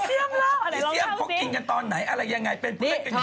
อีเซียมพกกินกันตอนไหนอะไรยังไงเป็น